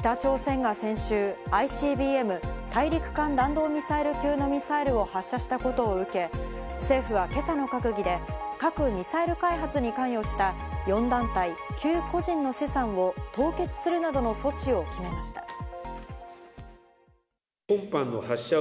北朝鮮が先週、ＩＣＢＭ＝大陸間弾道ミサイル級のミサイルを発射したことを受け、政府は今朝の閣議で核ミサイル開発に関与した４団体９個人の資産を凍結するなどの措置を決めました。